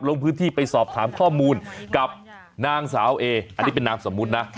ลงพื้นที่ไปสอบถามข้อมูลกับนางสาวเออันนี้เป็นนามสมมุตินะ